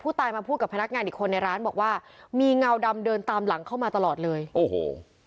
ตายมาพูดกับพนักงานอีกคนในร้านบอกว่ามีเงาดำเดินตามหลังเข้ามาตลอดเลยโอ้โห